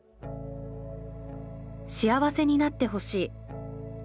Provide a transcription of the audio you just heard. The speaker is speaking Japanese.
「幸せになってほしい。